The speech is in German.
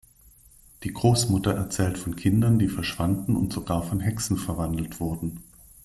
Die Großmutter erzählt von Kindern, die verschwanden und sogar von Hexen verwandelt wurden.